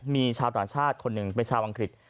มีชาวต่างชาติคนหนึ่งเป็นชาวอังกฤษ